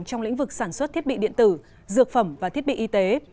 trong lĩnh vực sản xuất thiết bị điện tử dược phẩm và thiết bị y tế